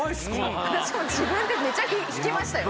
私も自分でめっちゃ引きましたよ